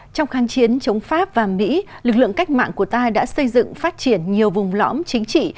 trong kháng chiến chống pháp và mỹ lực lượng cách mạng của ta đã xây dựng phát triển nhiều vùng lõm chính trị